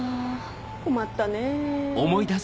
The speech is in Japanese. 困ったねぇ。